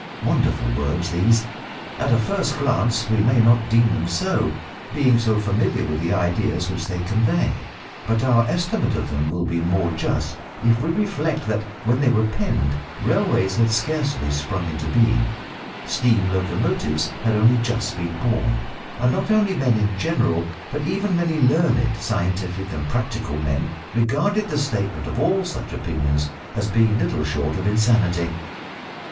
Wonderful words these! At a first glance we may not deem them so, being so familiar with the ideas which they convey, but our estimate of them will be more just if we reflect that when they were penned railways had scarcely sprung into being, steam locomotives had only just been born, and not only men in general, but even many learned, scientific and practical men regarded the statement of all such opinions as being little short of insanity.